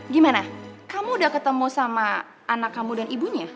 gimana kamu udah ketemu sama anak kamu dan ibunya